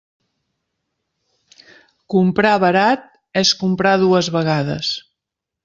Comprar barat és comprar dues vegades.